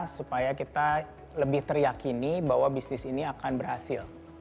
supaya kita lebih teryakini bahwa bisnis ini akan berhasil